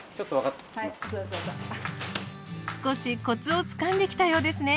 少しコツをつかんできたようですね！